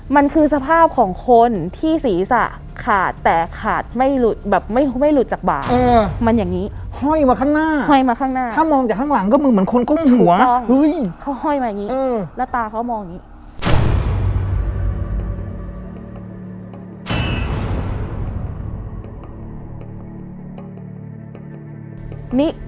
มันคือสภาพของคนที่ศีรษะขาดแต่ขาดไม่หลุดแบบไม่หลุดจากบางมันอย่างงี้